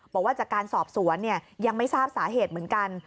บอกว่าจากการสอบสวนยังไม่ทราบสาเหตุเหมือนกัน